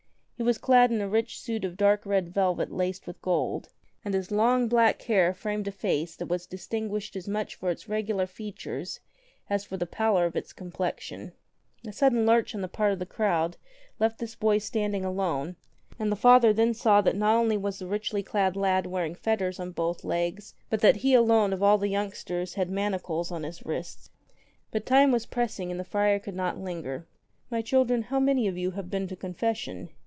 He was clad in a rich suit of dark red velvet laced with gold, and his long black hair framed a face that was distinguished as much for its regular features as for the pallor of its complexion. A sudden lurch on the part of the crowd left this boy standing alone, and the Father then saw that not only was the richly clad lad wearing fetters on both legs but that he alone of all the youngsters had manacles on his wrists. But time was pressing and the friar could not linger. "My children, how many of you have been to con fession